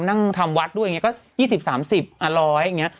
นั่งทำวัดด้วยอย่างเงี้ยก็ยี่สิบสามสิบอ่ะร้อยอย่างเงี้ย